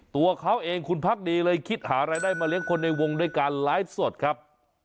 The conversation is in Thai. ตัวเขาเองคุณพักดีเลยคิดหารายได้มาเลี้ยงคนในวงด้วยการไลฟ์สดครับ